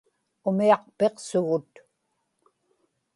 umiaqpiqsugut